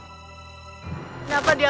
kenapa diam saja kak mandanu